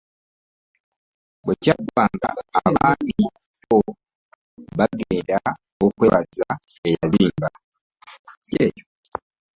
Bwe kyaggwanga ng’abaami bo bagenda okwebaza eyazimba.